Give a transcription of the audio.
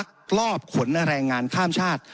แล้วนำมากลอบขนงานแรงมือข้ามชาติ